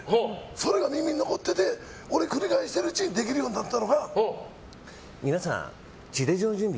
それが耳に残ってて俺、繰り返してるうちにできるようになったのが皆さん、地デジの準備